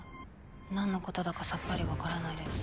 なんのことだかさっぱり分からないです。